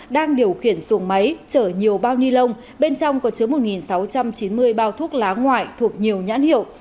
đang điều khiển xuồng máy chở nhiều bao ni lông bên trong có chứa một sáu trăm chín mươi bao thuốc lá ngoại thuộc nhiều nhãn hiệu